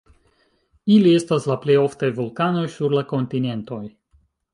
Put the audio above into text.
Ili estas la plej oftaj vulkanoj sur la kontinentoj.